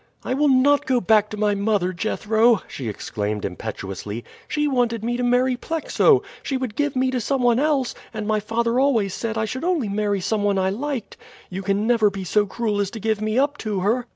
"I will not go back to my mother, Jethro!" she exclaimed impetuously. "She wanted me to marry Plexo. She would give me to some one else, and my father always said I should only marry some one I liked. You can never be so cruel as to give me up to her?"